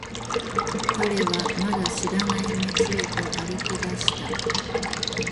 彼はまだ知らない街へと歩き出した。